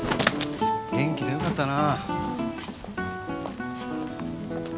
元気でよかったな。